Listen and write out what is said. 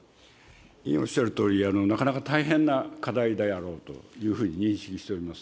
委員おっしゃるとおり、なかなか大変な課題であろうというふうに認識しております。